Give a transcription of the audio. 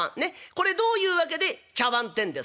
これどういう訳で茶わんってんですか？」。